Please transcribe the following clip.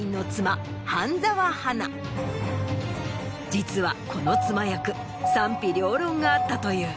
実はこの妻役賛否両論があったという。